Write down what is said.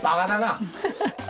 ハハハハ。